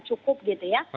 cukup gitu ya